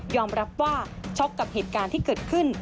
รับว่าช็อกกับเหตุการณ์ที่เกิดขึ้น